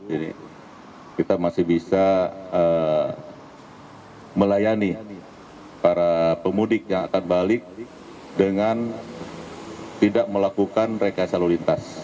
jadi kita masih bisa melayani para pemudik yang akan balik dengan tidak melakukan rekayasa lolitas